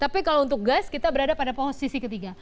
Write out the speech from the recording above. tapi kalau untuk gas kita berada pada posisi ketiga